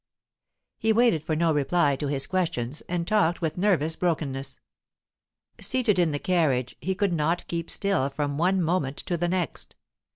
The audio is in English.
He waited for no reply to his questions, and talked with nervous brokenness. Seated in the carriage, he could not keep still from one moment to the next.